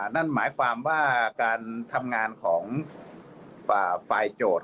นั่นหมายความว่าการทำงานของฝ่ายโจทย์